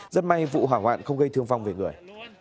rất may vụ hỏa hoạn không gây thương vong về người